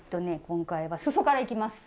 今回はすそからいきます。